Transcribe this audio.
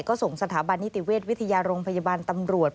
ก็ส่งสถาบันนิติเวชวิทยาโรงพยาบาลตำรวจ